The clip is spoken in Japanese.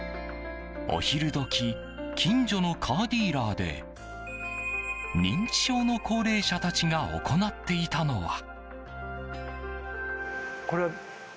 お昼時、近所のカーディーラーで認知症の高齢者たちが行っていたのは。